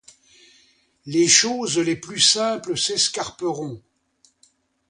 Les choses les plus simple s’escarperont.